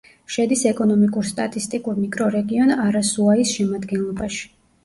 შედის ეკონომიკურ-სტატისტიკურ მიკრორეგიონ არასუაის შემადგენლობაში.